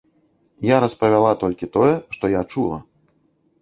Я распавяла толькі тое, што я чула.